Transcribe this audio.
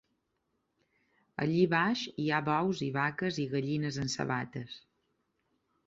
Allí baix hi ha bous i vaques i gallines amb sabates.